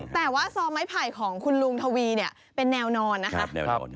แต่ว่าซอไม้ไผ่ของคุณลุงทวีเนี่ยเป็นแนวนอนนะคะ